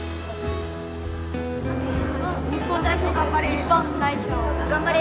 日本代表頑張れ！